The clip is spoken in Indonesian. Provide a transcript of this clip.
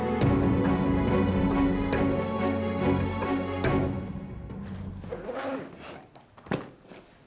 kau benar papa